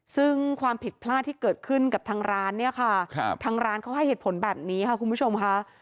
ซึ่งความผิดพลาดที่เกิดขึ้นกับทางร้านเนี่ยค่ะทางร้านเขาให้เหตุผลแบบนี้ค่ะคุณผู้ชมค่ะ